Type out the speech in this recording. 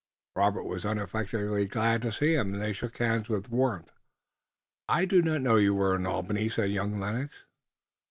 Robert was unaffectedly glad to see him, and they shook hands with warmth. "I did not know that you were in Albany," said young Lennox.